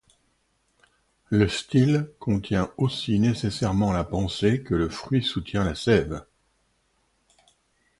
Le style contient aussi nécessairement la pensée que le fruit contient la sève.